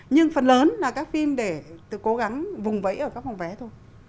nhưng phần lớn là các phim để cố gắng vùng vẫy ở các phòng vé thôi